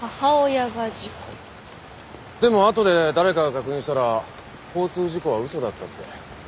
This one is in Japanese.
でもあとで誰かが確認したら交通事故はうそだったって。